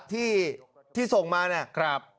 ที่ส่งมาเนี่ย